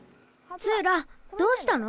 ツーラどうしたの？